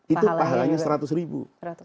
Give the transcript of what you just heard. itu pahalanya seratus ribu